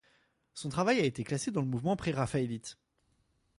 Son travail a été classé dans le mouvement préraphaélite.